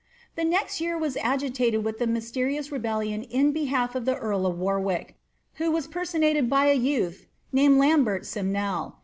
"* The next year was agitated with the mysterious rebellion in behalf of the earl of Warwick, who was personated by a youth named Lambert Simnel.